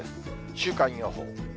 週間予報。